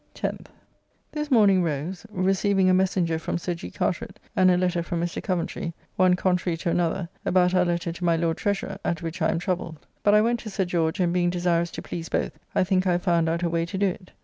10th. This morning rose, receiving a messenger from Sir G. Carteret and a letter from Mr. Coventry, one contrary to another, about our letter to my Lord Treasurer, at which I am troubled, but I went to Sir George, and being desirous to please both, I think I have found out a way to do it.